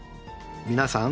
皆さん。